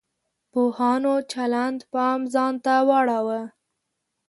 پوهانو چلند پام ځان ته واړاوه.